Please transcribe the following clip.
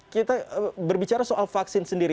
kita berbicara soal vaksin sendiri